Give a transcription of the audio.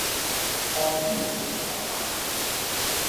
安如磐石